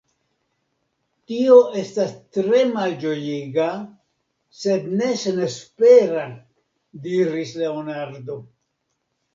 Tio estas tre malĝojiga, sed ne senespera, diris Leonardo.